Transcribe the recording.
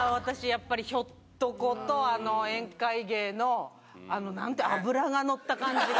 やっぱりひょっとこと宴会芸の脂がのった感じが。